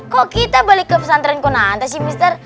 kok kita balik ke pesantren kok nanti sih mister